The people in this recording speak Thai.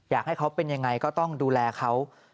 อยากให้เขาเป็นยังไงก็ต้องดูแลเขา